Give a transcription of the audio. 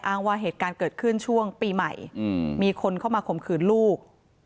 ว่าเหตุการณ์เกิดขึ้นช่วงปีใหม่มีคนเข้ามาข่มขืนลูก